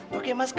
pakai mascara lagi